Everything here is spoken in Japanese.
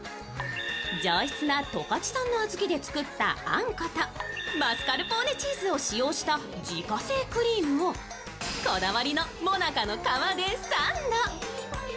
上質な十勝産のあずきで作ったあんことマスカルポーネチーズを使用した自家製クリームをこだわりの最中の皮でサンド。